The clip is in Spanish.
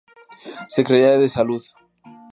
Secretaría de Salud.